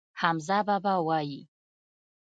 حمزه بابا وايي.